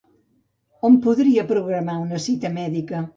On podria programar una cita mèdica?